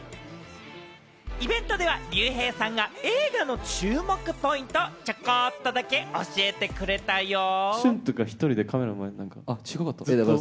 イベントではＲＹＵＨＥＩさんが、映画の注目ポイントをちょこっとだけ教えてくれたよー。